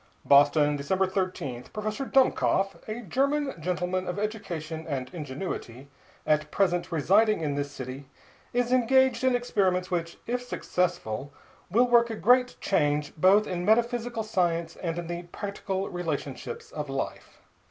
BOSTON, December 13 Professor Dummkopf, a German gentleman of education and ingenuity, at present residing in this city, is engaged on experiments which, if successful, will work a great change both in metaphysical science and in the practical relationships of life.